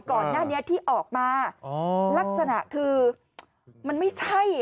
ก่อนหน้านี้ที่ออกมาลักษณะคือมันไม่ใช่